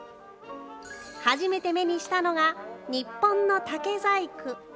初めて目にしたのが、日本の竹細工。